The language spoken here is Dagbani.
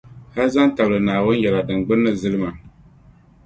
hali zaŋ tabili Naawuni yɛla din gbinni zilima.